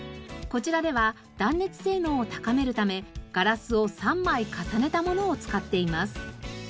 こちらでは断熱性能を高めるためガラスを３枚重ねたものを使っています。